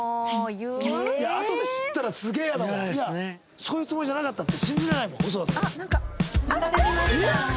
そういうつもりじゃなかったって信じられないもん。